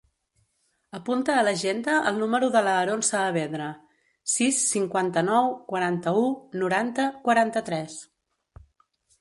Apunta a l'agenda el número de l'Aaron Saavedra: sis, cinquanta-nou, quaranta-u, noranta, quaranta-tres.